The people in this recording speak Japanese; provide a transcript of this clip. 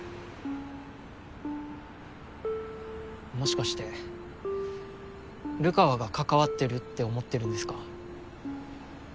もしかして流川が関わってるって思ってるんですか？